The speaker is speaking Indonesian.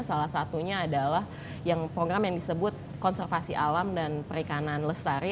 salah satunya adalah program yang disebut konservasi alam dan perikanan lestari